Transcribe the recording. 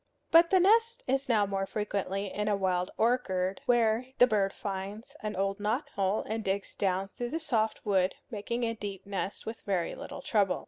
But the nest is now more frequently in a wild orchard, where the bird finds an old knot hole and digs down through the soft wood, making a deep nest with very little trouble.